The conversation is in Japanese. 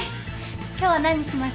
今日は何にします？